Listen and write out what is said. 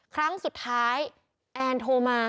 ครั้งสุดท้ายแอนโทรมา